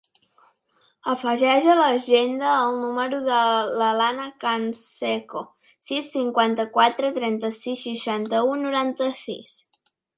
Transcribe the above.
Afegeix a l'agenda el número de l'Alana Canseco: sis, cinquanta-quatre, trenta-sis, seixanta-u, noranta-sis.